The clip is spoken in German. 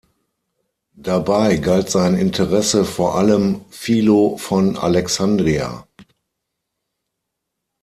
Dabei galt sein Interesse vor allem Philo von Alexandria.